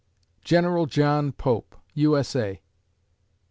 GEN. JOHN POPE, U. S. A.